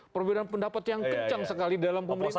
perbedaan pendapat yang kencang sekali dalam pembahasan